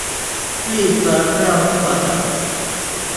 Please দয়া করে আমাকে বাঁচান।